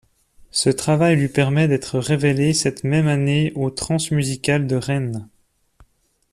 Ce travail lui permet d'être révélée cette même année aux Transmusicales de Rennes.